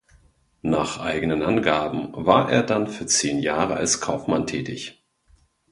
Nach eigenen Angaben war er dann für zehn Jahre als Kaufmann tätig.